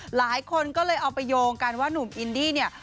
หลายคนก็เลยเอาไปโยงกันว่าหนุ่มอินดี้เนี่ย